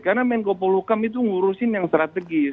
karena menkopolukam itu menguruskan yang strategis